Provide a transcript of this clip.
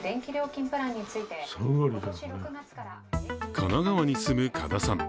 神奈川に住む加田さん。